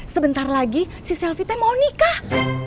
sebentar lagi si selvita mau nikah